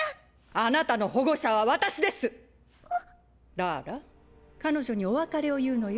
ラーラ彼女にお別れを言うのよ。